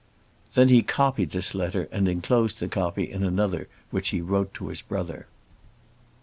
Then he copied this letter and enclosed the copy in another which he wrote to his brother.